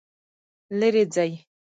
لیرې ځئ